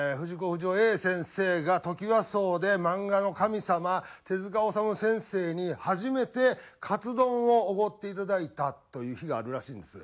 不二雄先生がトキワ荘で漫画の神様手治虫先生に初めてカツ丼をおごっていただいたという日があるらしいんです。